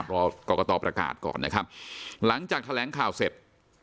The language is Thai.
รอกรกตประกาศก่อนนะครับหลังจากแถลงข่าวเสร็จ